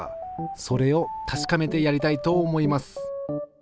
それをたしかめてやりたいと思います。